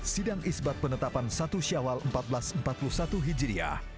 sidang isbat penetapan satu syawal seribu empat ratus empat puluh satu hijriah